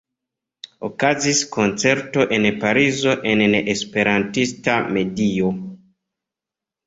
Okazis koncerto en Parizo en ne-esperantista medio.